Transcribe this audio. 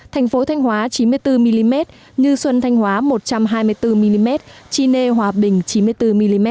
thành phố thanh hóa chín mươi bốn mm như xuân thanh hóa một trăm hai mươi bốn mm chi nê hòa bình chín mươi bốn mm